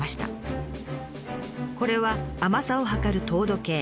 これは甘さを測る糖度計。